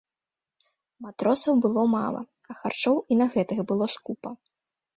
Матросаў было мала, а харчоў і на гэтых было скупа.